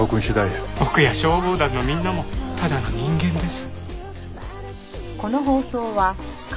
僕や消防団のみんなもただの人間です。